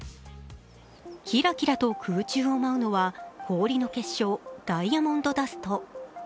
キラキラと空中を舞うのは氷の結晶、ダイヤモンドダスト。